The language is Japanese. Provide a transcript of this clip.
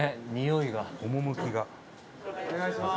伊達：お願いします